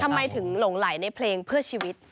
ทำไมถึงหลงไหลในเพลงเพื่อชีวิต